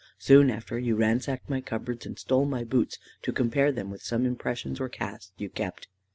Soon after you ransacked my cupboards and stole my boots, to compare them with some impressions or casts you kept.